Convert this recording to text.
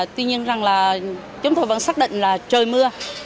tuy nhiên chúng tôi vẫn xác định là trời mưa